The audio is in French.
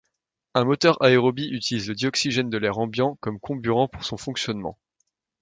Un moteur aérobie utilise le dioxygène de l'air ambiant comme comburant pour son fonctionnement.